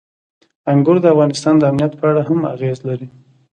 انګور د افغانستان د امنیت په اړه هم اغېز لري.